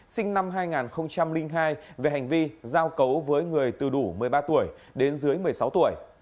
sinh năm hai nghìn hai về hành vi giao cấu với người từ đủ một mươi ba tuổi đến dưới một mươi sáu tuổi